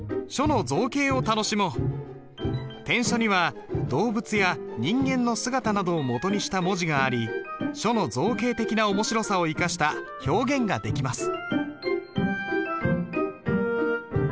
篆書には動物や人間の姿などをもとにした文字があり書の造形的な面白さを生かした表現ができます。